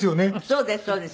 そうですそうです。